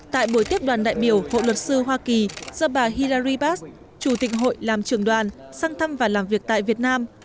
tại buổi tiếp đoàn đại biểu hội luật sư hoa kỳ do bà hilary bass chủ tịch hội làm trường đoàn sang thăm và làm việc tại việt nam